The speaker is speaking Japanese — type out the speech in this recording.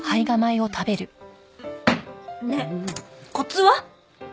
ねえコツは？